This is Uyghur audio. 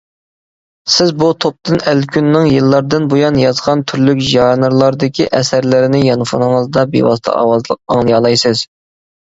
سىز بۇ توپتىن ئەلكۈننىڭ يىللاردىن بۇيان يازغان تۈرلۈك ژانىرلاردىكى ئەسەرلىرىنى يانفونىڭىزدا بىۋاسىتە ئاۋازلىق ئاڭلىيالايسىز.